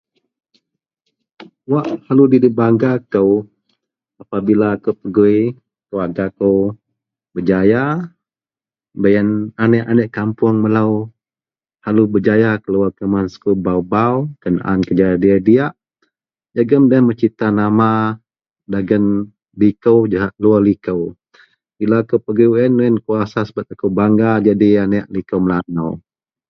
wak perlu dibangga kou apabila kou pegui keluarga kou berjaya baih ien aneak-aneak kapoung melou, selalu berjaya keluar kuman sekul baau-baau, kenaan kerja diak-diak jegum loyien mencipta nama dagen liko jahak luar liko, bila akou pegui wak ien, ien kou rasa subet akou bangga jadi aneak liko melanau